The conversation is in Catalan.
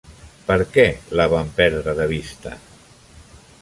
Per què la van perdre de vista?